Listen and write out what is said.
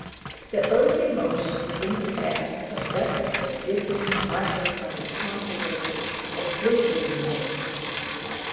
The only motion in the air was that of the dripping, microscopic particles of drizzling mist.